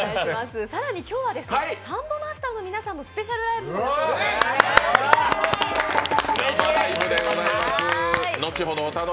更に今日はサンボマスターの皆さんのスペシャルライブも予定しています。